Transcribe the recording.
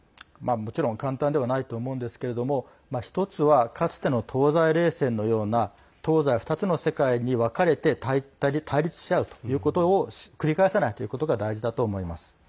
もちろん簡単ではないと思うんですが、１つはかつての東西冷戦のような東西２つの世界に分かれて対立するということを繰り返さないということが大事だと思います。